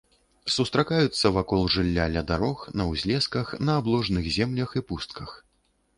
Сустракаюцца вакол жылля ля дарог, на ўзлесках, на абложных землях і пустках.